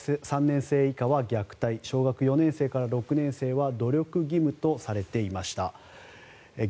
小学３年生以下は虐待小学６年生は努力義務とされていました。